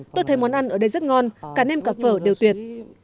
tôi thấy món ăn ở đây rất ngon cả nêm cả phở đều tuyệt